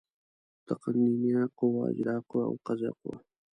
تقنینیه قوه، اجرائیه قوه او قضایه قوه.